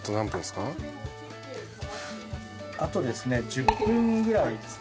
あと１０分ぐらいですね。